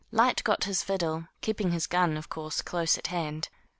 Lyte got his fiddle, keeping his gun, of course, close at hand.